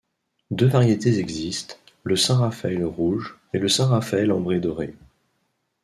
Deux variétés existent, le Saint-Raphaël Rouge et le Saint-Raphaël Ambré-Doré.